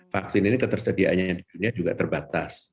vaksin ini ketersediaannya di dunia juga terbatas